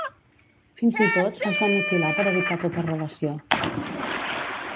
Fins i tot es va mutilar per evitar tota relació.